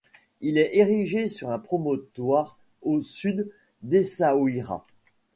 Il est érigé sur un promontoire au sud d'Essaouira.